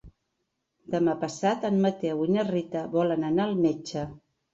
Demà passat en Mateu i na Rita volen anar al metge.